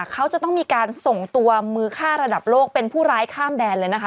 เขาจะต้องมีการส่งตัวมือฆ่าระดับโลกเป็นผู้ร้ายข้ามแดนเลยนะคะ